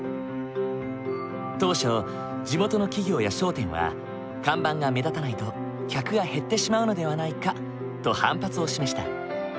当初地元の企業や商店は看板が目立たないと客が減ってしまうのではないかと反発を示した。